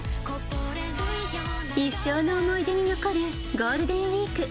一生の思い出に残るゴールデンウィーク。